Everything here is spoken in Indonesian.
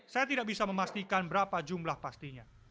saya tidak bisa memastikan berapa jumlah pastinya